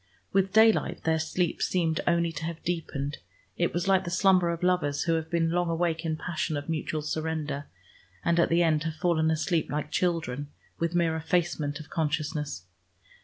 With daylight their sleep seemed only to have deepened: it was like the slumber of lovers who have been long awake in passion of mutual surrender, and at the end have fallen asleep like children, with mere effacement of consciousness.